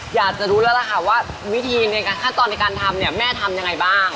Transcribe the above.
อยากจะรู้แล้วล่ะค่ะว่าวิธีในขั้นตอนในการทำเนี่ยแม่ทำยังไงบ้าง